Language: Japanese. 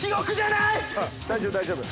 大丈夫大丈夫。